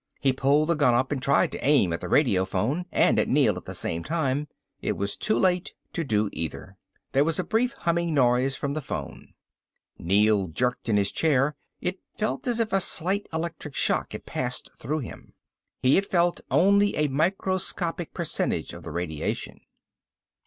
He pulled the gun up and tried to aim at the radiophone and at Neel at the same time. It was too late to do either. There was a brief humming noise from the phone. Neel jerked in his chair. It felt as if a slight electric shock had passed through him. He had felt only a microscopic percentage of the radiation.